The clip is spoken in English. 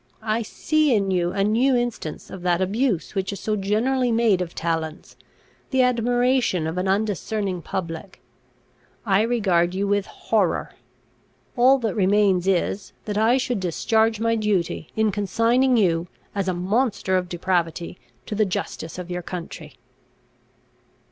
I see in you a new instance of that abuse which is so generally made of talents, the admiration of an undiscerning public. I regard you with horror. All that remains is, that I should discharge my duty, in consigning you, as a monster of depravity, to the justice of your country."